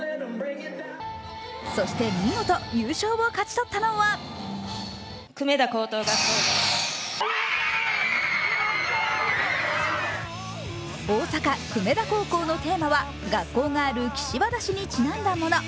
そして、見事優勝を勝ち取ったのは大阪・久米田高校のテーマは、学校がある岸和田市にちなんだもの。